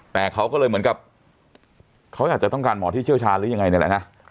แต่เขาก็เลยเหมือนกับเขาอาจจะต้องการหมอที่เชี่ยวชาญหรือยังไงนี่แหละนะ